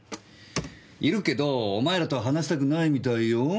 いるけどお前らと話したくないみたいよ。